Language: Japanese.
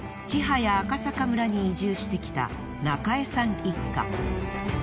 千早赤阪村に移住してきた中江さん一家。